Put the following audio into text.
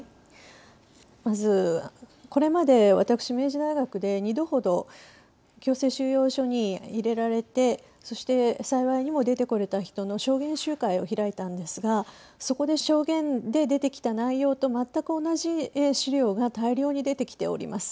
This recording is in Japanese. まず、これまで私、明治大学で２度ほど強制収容所に入れられてそして、幸いにも出てこれた人の証言集会を開いたんですがそこで、証言で出てきた内容と全く同じ資料が大量に出てきております。